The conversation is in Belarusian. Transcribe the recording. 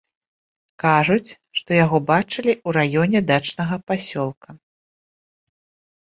Кажуць, што яго бачылі ў раёне дачнага пасёлка.